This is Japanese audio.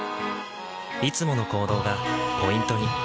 いつもの行動がポイントに。